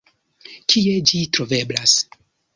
Kie ĝi troveblas?